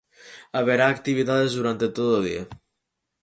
Haberá actividades durante todo o día.